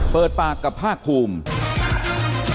เปิดปากกับภาคภูมิ